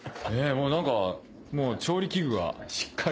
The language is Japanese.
もう何か調理器具がしっかり。